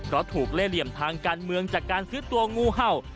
เพราะถูกเล่เหลี่ยมทางการเมืองจากการซื้อตัวงูเห่า